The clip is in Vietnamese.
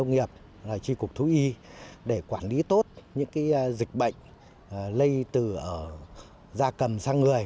nghiệp tri cục thú y để quản lý tốt những dịch bệnh lây từ da cầm sang người